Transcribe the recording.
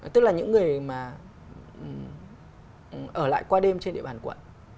tức là những người mà ở lại qua đêm trên địa bàn quận